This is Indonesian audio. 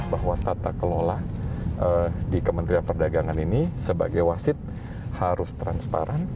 bahwa tata kelola di kementerian perdagangan ini sebagai wasit harus transparan